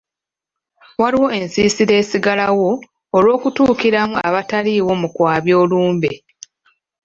Waliwo ensiisira esigalawo olw’okutuukiramu abaataliwo mu kwabya olumbe.